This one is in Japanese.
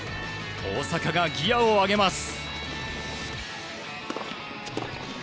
大坂がギアを上げます。